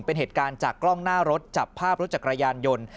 เป็นเหตุการณ์จากกล้องหน้ารถจับภาพรถจักรยานยนต์